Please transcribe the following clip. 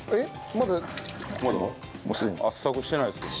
まだ圧搾してないですけどね。